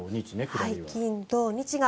金土日ね。